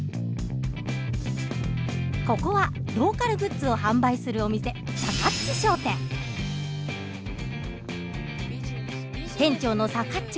ここはローカルグッズを販売するお店店長の「さかっち」